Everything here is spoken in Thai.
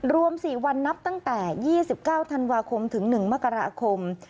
รวม๔วันนับตั้งแต่๒๙ธันวาคมถึง๑มกราคม